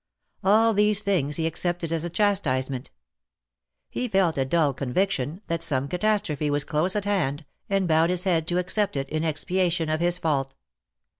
All these things he accepted as a chastisement. He felt a dull conviction that some catas trophe was close at hand, and bowed his head to accept it in expiation of his fault.